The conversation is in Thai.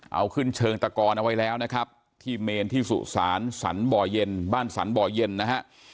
เอาขึ้นเชิงตะกอนเอาไว้แล้วนะครับที่เมนที่สุสานสรรบ่อเย็นบ้านสรรบ่อเย็นนะฮะ